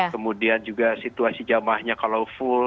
kemudian juga situasi jamahnya kalau full